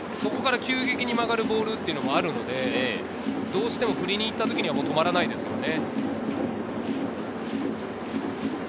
ここから急激に曲がるボールもあるので、どうしても振りに行った時には止まらないですよね。